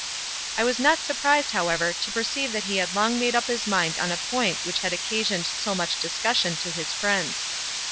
I was not surprised, however, to perceive that he had long made up his mind on a point which had occasioned so much discussion to his friends.